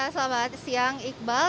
selamat siang iqbal